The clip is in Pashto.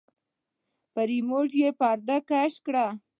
په رېموټ يې پردې کش کړې.